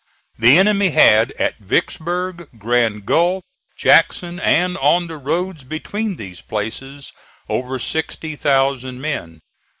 The enemy had at Vicksburg, Grand Gulf, Jackson, and on the roads between these places, over sixty thousand men.